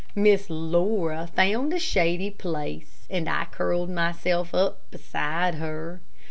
Miss Laura found a shady place, and I curled myself up beside her.